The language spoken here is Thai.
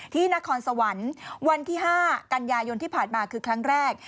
นครสวรรค์วันที่๕กันยายนที่ผ่านมาคือครั้งแรก